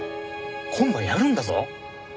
今晩やるんだぞ！